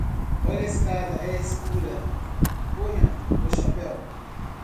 Olhe a escada, é escura; ponha o chapéu...